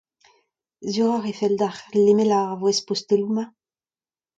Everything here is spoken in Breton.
Sur ocʼh e fell deocʼh lemel ar voest posteloù-mañ ?